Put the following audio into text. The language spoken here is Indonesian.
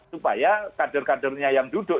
supaya kader kadernya yang duduk